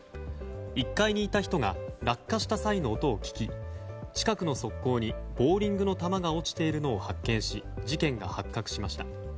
１階にいた人が落下した際の音を聞き近くの側溝にボウリングの球が落ちているのを発見し事件が発覚しました。